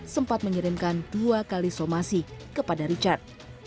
sempat mengirimkan dua kali somasi kepada richard